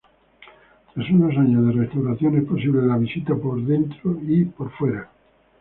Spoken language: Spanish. Tras unos años de restauración es posible la visita por dentro y por fuera.